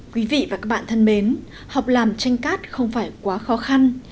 quý vị và các bạn thân mến học làm tranh cát không phải quá khó khăn